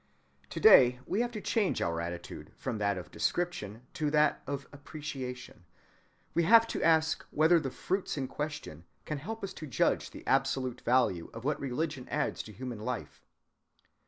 To‐day we have to change our attitude from that of description to that of appreciation; we have to ask whether the fruits in question can help us to judge the absolute value of what religion adds to human life.